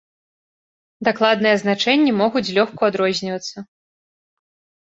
Дакладныя значэнні могуць злёгку адрознівацца.